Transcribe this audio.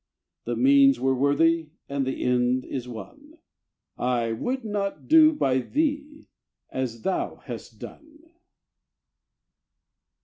The means were worthy, and the end is won I would not do by thee as thou hast done!